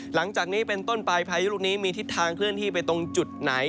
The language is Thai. หลังจากนี้เป็นต้นไปพายุลูกนี้มีทิศทางเคลื่อนที่ไปตรงจุดไหน